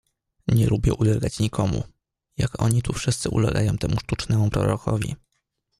"Nie lubię ulegać nikomu, jak oni tu wszyscy ulegają temu sztucznemu Prorokowi."